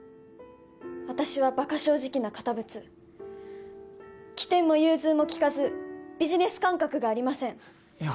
私はバカ正直な堅物機転も融通もきかずビジネス感覚がありませんいや